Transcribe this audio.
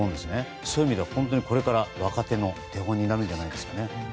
そういう意味では本当に若手の手本になるじゃないんですかね。